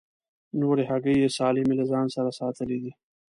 نورې هګۍ یې سالمې له ځان سره ساتلې دي.